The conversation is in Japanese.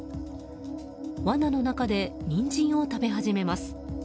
わなの中でニンジンを食べ始めます。